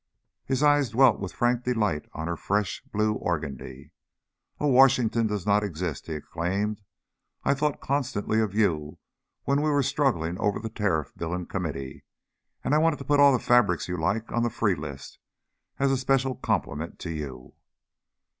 His eyes dwelt with frank delight on her fresh blue organdie. "Oh, Washington does not exist," he exclaimed. "I thought constantly of you when we were struggling over that Tariff Bill in Committee, and I wanted to put all the fabrics you like on the free list, as a special compliment to you."